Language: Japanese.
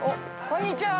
こんにちは。